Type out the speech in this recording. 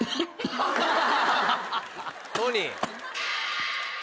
トニー。